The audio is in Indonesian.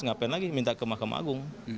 ngapain lagi minta ke mahkamah agung